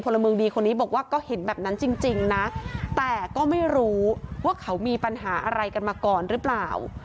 ละเมืองดีคนนี้บอกว่าก็เห็นแบบนั้นจริงนะแต่ก็ไม่รู้ว่าเขามีปัญหาอะไรกันมาก่อนหรือเปล่า